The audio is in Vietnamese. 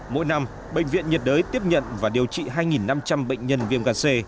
mỗi năm bệnh viện nhiệt đới tiếp nhận và điều trị hai năm trăm linh bệnh nhân viêm ga c